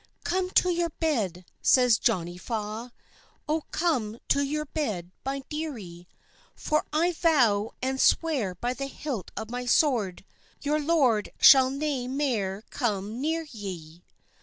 "Come to your bed," says Johnie Faw, "Oh, come to your bed, my dearie: For I vow and swear by the hilt of my sword, Your lord shall nae mair come near ye."